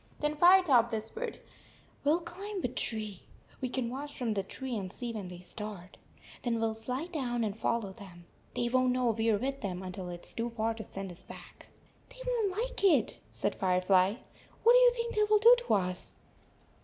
Then Firetop whis pered: " We 11 climb a tree. We can watch from the tree and see when they start. Then we 11 slide down and follow them. They won t know we are with them until it s top far to send us back." 46 " They won t like it," said Firefly. "What do you think they will do to us?